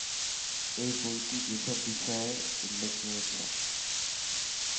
এই বইটি যেসব বিষয়ের উল্লেখ রয়েছে-